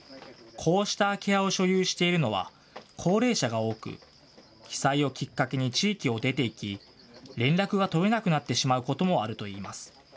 こうした空き家を所有しているのは高齢者が多く、被災をきっかけに地域を出ていき、連絡が取れなくなってしまうこともあるといいます。